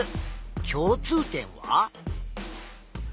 共通点は？